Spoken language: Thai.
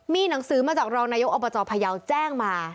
มีหนังสือมาจากรองนายกอบจพยาวแจ้งมา